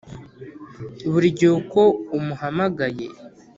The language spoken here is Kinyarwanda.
buri gihe uko umuhamagaye